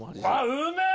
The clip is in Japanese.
うめえ！